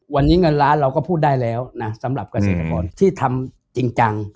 วันนี้เงินล้านเราก็พูดได้แล้วนะสำหรับเกษตรกรที่ทำจริงจัง